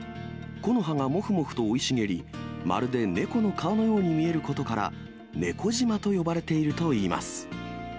木の葉がもふもふと生い茂り、まるで猫の顔のように見えることから、猫島と呼ばれているといいます。